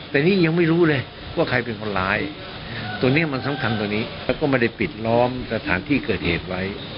แต่นี่ยังไม่รู้เลยว่าใครเป็นคนร้ายตัวนี้มันสำคัญตัวนี้แล้วก็ไม่ได้ปิดล้อมสถานที่เกิดเหตุไว้